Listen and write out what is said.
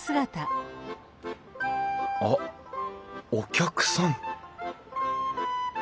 あっお客さん